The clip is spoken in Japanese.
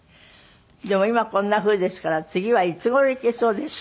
でも今こんなふうですから次はいつ頃行けそうですかね？